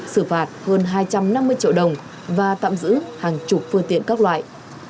xử phạt hơn hai trăm năm mươi triệu đồng và tạm giữ hàng chục phương tiện các loại